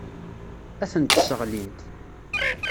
Ad tent-sseɣlint.